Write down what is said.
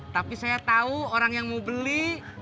tapi saya tahu orang yang mau beli